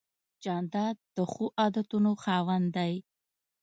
جانداد د ښو عادتونو خاوند دی.